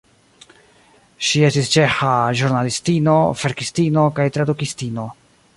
Ŝi estis ĉeĥa ĵurnalistino, verkistino kaj tradukistino.